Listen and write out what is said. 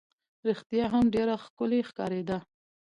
رښتیا هم ډېره ښکلې ښکارېده.